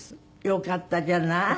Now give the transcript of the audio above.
よかったじゃない。